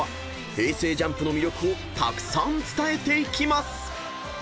ＪＵＭＰの魅力をたくさん伝えていきます！］